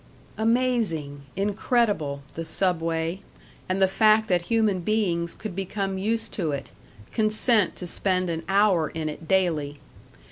Amazing, incredible, the Subway, and the fact that human beings could become used to it, consent to spend an hour in it daily.